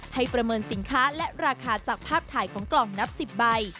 ประเมินสินค้าและราคาจากภาพถ่ายของกล่องนับ๑๐ใบ